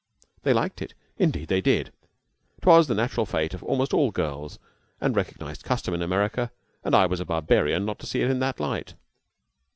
They liked it indeed they did. 'Twas the natural fate of almost all girls the recognized custom in America and I was a barbarian not to see it in that light.